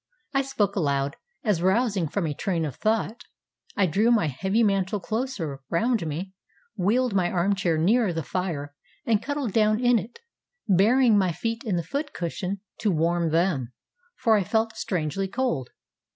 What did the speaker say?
ŌĆØ I spoke aloud, as, rousing from a train of thought, I drew my heavy mantle closer round me, wheeled my arm chair nearer the fire, and cuddled down in it, burying my feet in the foot cushion to warm them, for I felt strangely cold.